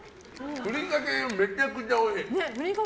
ふりかけはめちゃくちゃおいしい。